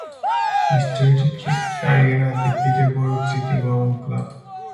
He started his career at the Peterborough City Rowing Club.